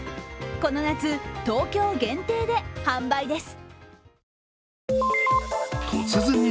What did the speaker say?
この夏、東京限定で販売です。